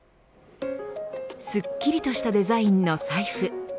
すっきりとしたデザインの財布。